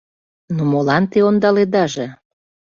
— Ну молан те ондаледаже?